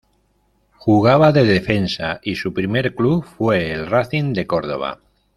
Jugaba de defensa y su primer club fue el Racing de Córdoba.